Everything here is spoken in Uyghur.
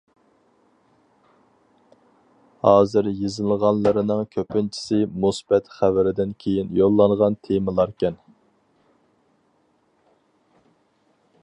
ھازىر يېزىلغانلىرىنىڭ كۆپىنچىسى مۇسىبەت خەۋىرىدىن كېيىن يوللانغان تېمىلاركەن.